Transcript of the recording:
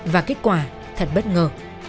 và kết quả thật bất ngờ